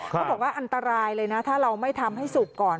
เขาบอกว่าอันตรายเลยนะถ้าเราไม่ทำให้สุกก่อน